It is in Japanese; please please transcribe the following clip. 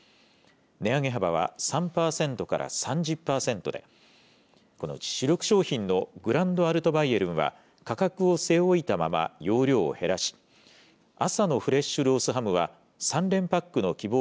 値上げ幅は、３％から３０％で、このうち、主力商品のグランドアルトバイエルンは価格を据え置いたまま容量を減らし、朝のフレッシュロースハムは、３連パックの希望